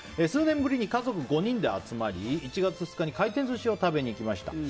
数年ぶりに家族５人で集まり１月２日に回転寿司を食べに行きました。